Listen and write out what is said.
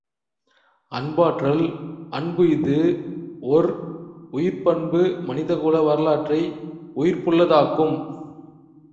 அன்பாற்றல் அன்பு இஃது ஒர் உயிர்ப் பண்பு மனிதகுல வரலாற்றை உயிர்ப்புள்ளதாக்கும்.